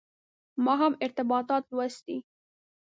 ما هم ارتباطات لوستي.